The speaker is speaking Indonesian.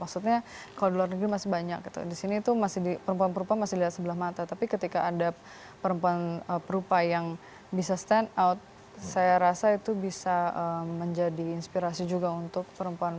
maksudnya kalau di luar negeri masih banyak disini tuh masih perempuan perempuan masih lihat sebelah mata tapi ketika ada perempuan perupa yang bisa stand out saya rasa itu bisa menjadi inspirasi juga untuk perempuan